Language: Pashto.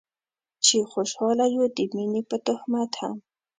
چې خوشحاله يو د مينې په تهمت هم